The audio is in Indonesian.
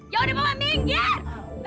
ya udah papa minggir